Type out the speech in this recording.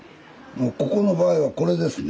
ここの場合はこれですね。